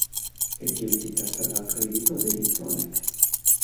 Etxebizitza Zerga Kreditua deritzo honek.